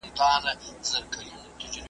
معتادان د ټولنې یو لوی درد دی.